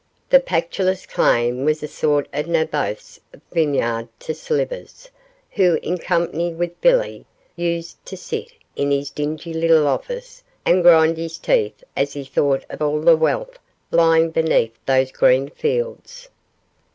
The Pactolus claim was a sort of Naboth's vineyard to Slivers, who, in company with Billy, used to sit in his dingy little office and grind his teeth as he thought of all the wealth lying beneath those green fields.